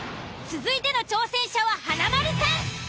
続いての挑戦者は華丸さん。